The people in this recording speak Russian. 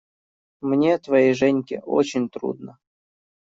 Мне, твоей Женьке, очень трудно.